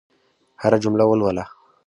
هره جمله ولوله.